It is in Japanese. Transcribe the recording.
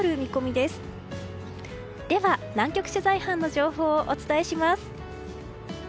では、南極取材班の情報をお伝えします。